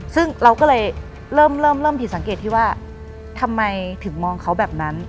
ซึ่งเราก็เลยเริ่มเริ่มผิดสังเกตที่ว่าทำไมถึงมองเขาแบบนั้น